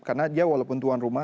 karena dia walaupun tuan rumah